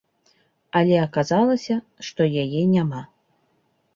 Але аказалася, што яе няма.